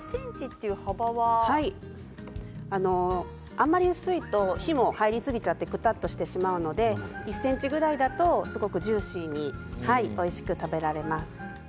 あまり薄いと火も入りすぎてくたっとしてしまうので１ｃｍくらいだとすごくジューシーにおいしく食べられます。